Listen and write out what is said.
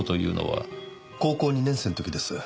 高校２年生の時です。